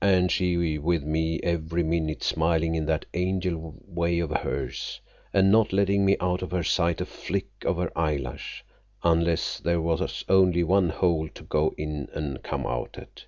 "And she with me every minute, smiling in that angel way of hers, and not letting me out of her sight a flick of her eyelash, unless there was only one hole to go in an' come out at.